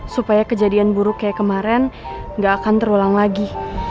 supaya kejadian buruk kayak kemarin nggak akan terulang lagi